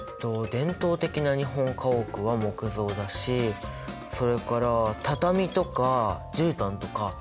伝統的な日本家屋は木造だしそれから畳とかじゅうたんとかフローリングの床なんかも？